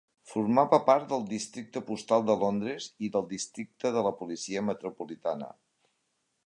Formava part del districte postal de Londres i del districte de la policia metropolitana.